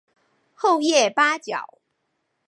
厚叶八角